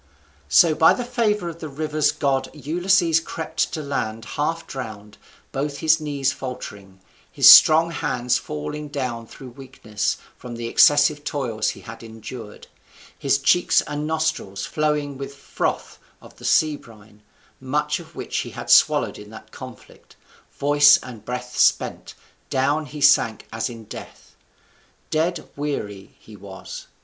So by the favour of the river's god Ulysses crept to land half drowned; both his knees faltering, his strong hands falling down through weakness from the excessive toils he had endured, his cheeks and nostrils flowing with froth of the sea brine, much of which he had swallowed in that conflict, voice and breath spent, down he sank as in death. Dead weary he was.